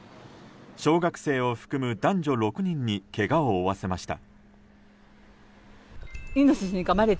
小学生を含む男女６人にけがを負わせました。